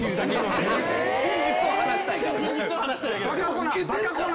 真実を話したいから。